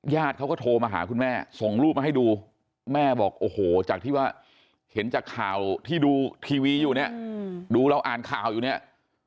ญาติเขาก็โทรมาหาคุณแม่ส่งรูปมาให้ดูแม่บอกโอ้โหจากที่ว่าเห็นจากข่าวที่ดูทีวีอยู่เนี่ยดูเราอ่านข่าวอยู่เนี่ย